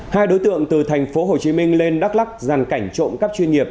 hai đối tượng từ tp hcm lên đắk lắc giàn cảnh trộm cắp chuyên nghiệp